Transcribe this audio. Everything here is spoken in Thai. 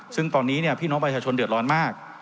ซึ่งตอนนี้พี่น้องประชาชนเดือดร้อนมาก